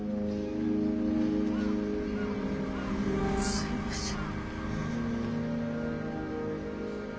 すいません。